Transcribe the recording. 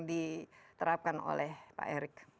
diterapkan oleh pak erick